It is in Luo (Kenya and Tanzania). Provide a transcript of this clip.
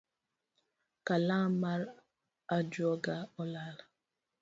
Kalam mar ajuoga olal